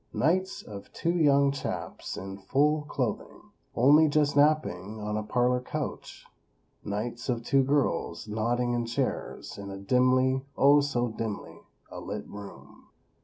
Nights of two young chaps, in full clothing, only just napping on a parlor couch. Nights of two girls nodding in chairs in a dimly, oh, so dimly a lit room.